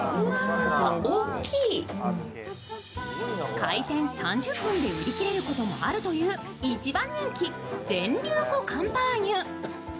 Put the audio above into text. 回転３０分で売り切れることもあるという一番人気全粒粉カンパーニュ。